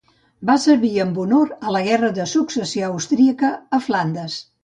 Va servir amb honor a la Guerra de Successió Austríaca a Flandes.